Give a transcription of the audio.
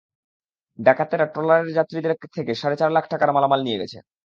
ডাকাতেরা ট্রলারের যাত্রীদের কাছ থেকে সাড়ে চার লাখ টাকার মালামাল নিয়ে গেছে।